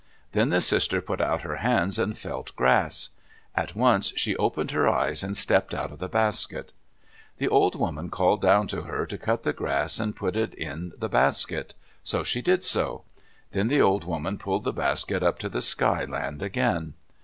Then the sister put out her hands and felt grass. At once she opened her eyes and stepped out of the basket. The old woman called down to her to cut the grass and put it in the basket. So she did so. Then the old woman pulled the basket up to the Sky Land again.